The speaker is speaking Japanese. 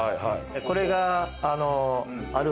これが。